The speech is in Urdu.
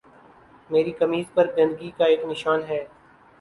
میری قمیض پر گندگی کا ایک نشان ہے